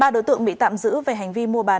ba đối tượng bị tạm giữ về hành vi mua bán